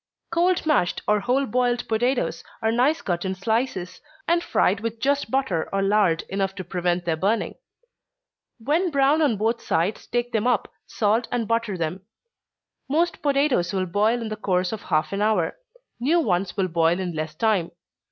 Cold mashed, or whole boiled potatoes, are nice cut in slices, and fried with just butter or lard enough to prevent their burning. When brown on both sides, take them up, salt and butter them. Most potatoes will boil in the course of half an hour new ones will boil in less time.